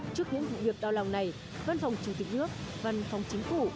trước những vụ việc đau lòng này văn phòng chủ tịch nước văn phòng chính phủ